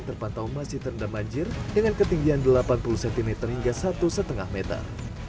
terpantau masih terendam banjir dengan ketinggian delapan puluh cm hingga satu lima meter